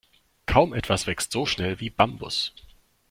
Kaum etwas wächst so schnell wie Bambus.